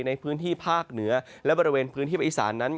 ในพื้นที่ภาคเหนือและบริเวณพื้นที่ประอิสานนั้น